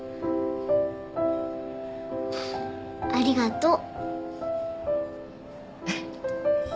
ありがとう。